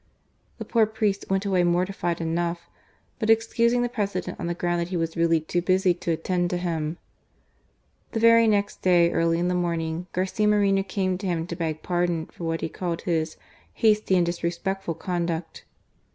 The poor priest went away mortified enough, but excusing the President on the ground that he was really too busy to attend to him. The very next day, early in the morning, Garcia Moreno came to him to beg pardon for what he called his "hasty and disrespectful conduct."